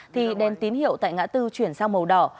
thì đèn tín hiệu tại ngã tư chuyển sang màu đỏ